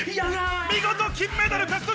見事金メダル獲得！